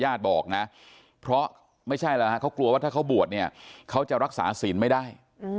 บอกนะเพราะไม่ใช่แล้วฮะเขากลัวว่าถ้าเขาบวชเนี่ยเขาจะรักษาศีลไม่ได้